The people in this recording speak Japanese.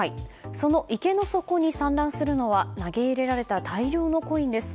その池の底に散乱するのは投げ入れられた大量のコインです。